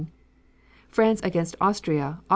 France against Austria, Aug.